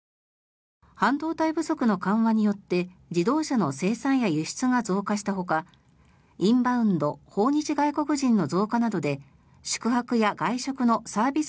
半導体不足の緩和によって自動車の生産や輸出が増加したほかインバウンド訪日外国人の増加などで宿泊や外食のサービス